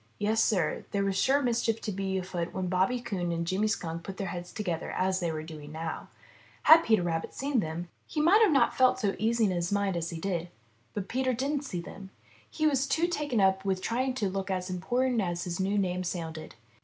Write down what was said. Yes, Sir, there is sure to be mischief afoot when Bobby Coon and Jimmy Skunk put their heads together as they were doing now. Had Peter Rabbit seen them, he might not have felt so 381 MY BOOK HOUSE easy in his mind as he did. But Peter didn't see them. He was too much taken up with trying to look as important as his new name sounded.